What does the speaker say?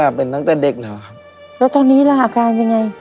เป็นตั้งแต่เด็กแล้วครับแล้วตอนนี้ล่ะอาการเป็นไง